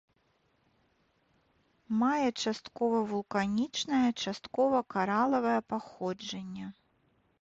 Мае часткова вулканічнае, часткова каралавае паходжанне.